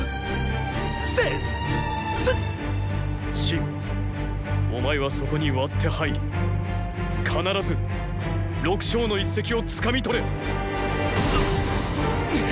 信お前はそこに割って入り必ず六将の一席を掴み取れ！っ！！